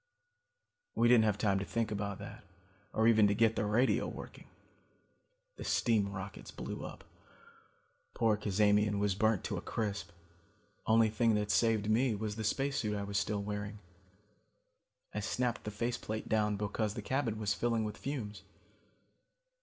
"We didn't have time to think about that, or even to get the radio working. The steam rockets blew up. Poor Cazamian was burnt to a crisp. Only thing that saved me was the spacesuit I was still wearing. I snapped the face plate down because the cabin was filling with fumes.